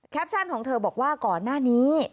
แคปชั่นของเธอบอกว่าก่อนหน้านี้